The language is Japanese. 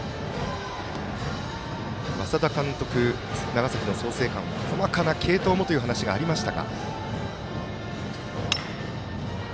稙田監督、長崎の創成館は細かな継投もという話がありました。